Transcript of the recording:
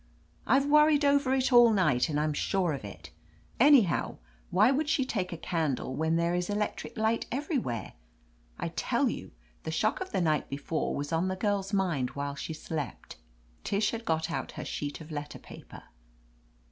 I've worried over it all night, and I'm sure of it. Anyhow, why T^o'uld she take a candle, when there is electric light everywhere? I tell you, the shock of the night befor^'was on the girl's mind while she slept." Tish had got out her sheet of letter paper.